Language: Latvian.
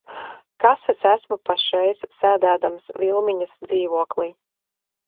Kas es esmu pašreiz sēdēdams Vilmiņas dzīvoklī?